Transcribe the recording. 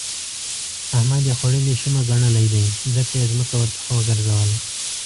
احمد يې خوړلې شومه ګنلی دی؛ ځکه يې ځمکه ورڅخه وګرځوله.